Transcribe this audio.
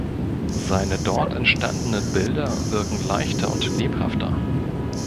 Seine dort entstandenen Bilder wirken leichter und lebhafter.